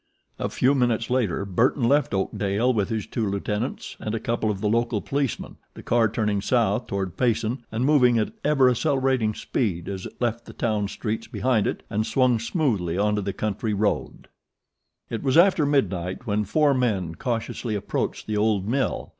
A few minutes later Burton left Oakdale with his two lieutenants and a couple of the local policemen, the car turning south toward Payson and moving at ever accelerating speed as it left the town streets behind it and swung smoothly onto the country road. It was after midnight when four men cautiously approached the old mill.